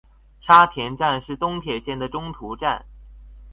沙田站是东铁线的中途站。